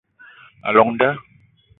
A llong nda